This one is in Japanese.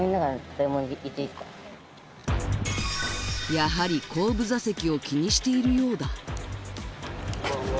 やはり後部座席を気にしているようだ